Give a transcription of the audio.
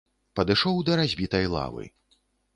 Падышоў да разбітай лавы.